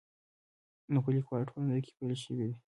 نو په لیکوالو ټولنه کې پیل شوی دی.